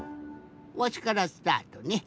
わしからスタートね。